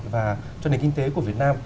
và cho nền kinh tế của việt nam